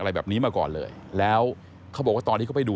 อะไรแบบนี้มาก่อนเลยแล้วเขาบอกว่าตอนที่เขาไปดู